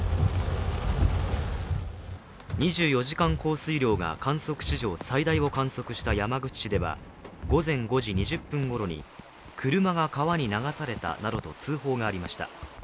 ２４時間降水量が観測史上最大を観測した山口市では午前５時２０分ごろに車が川に流されたなどと通報がありました。